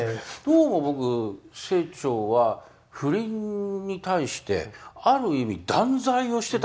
どうも僕清張は不倫に対してある意味断罪をしてたんじゃないかなと。